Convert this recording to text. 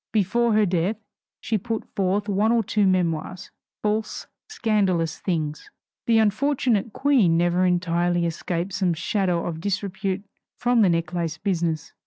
Before her death she put forth one or two memoirs, false, scandalous things. The unfortunate Queen never entirely escaped some shadow of disrepute from the necklace business.